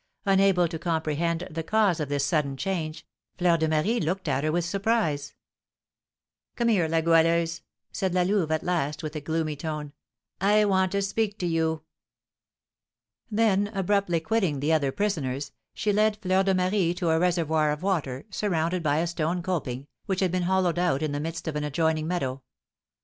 Unable to comprehend the cause of this sudden change, Fleur de Marie looked at her with surprise. "Come here, La Goualeuse," said La Louve at last, with a gloomy tone; "I want to speak to you." Then abruptly quitting the other prisoners, she led Fleur de Marie to a reservoir of water, surrounded by a stone coping, which had been hollowed out in the midst of an adjoining meadow.